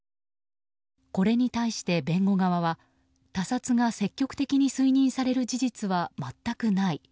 これに対して、弁護側は他殺が積極的に推認される事実は全くない。